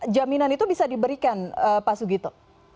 jaminan itu bisa diberikan pak sugito